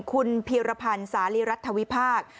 คุณพีรพันธ์สาลิรัทธวิภาค